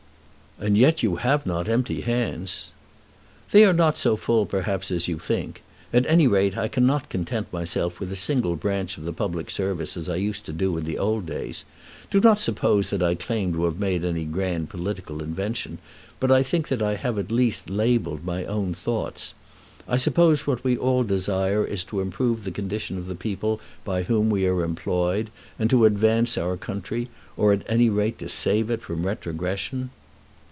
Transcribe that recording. "And yet you have not empty hands." "They are not so full, perhaps, as you think. At any rate I cannot content myself with a single branch of the public service as I used to do in old days. Do not suppose that I claim to have made any grand political invention, but I think that I have at least labelled my own thoughts. I suppose what we all desire is to improve the condition of the people by whom we are employed, and to advance our country, or at any rate to save it from retrogression."